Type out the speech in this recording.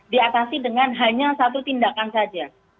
diatasi dengan hanya satu tindakan saja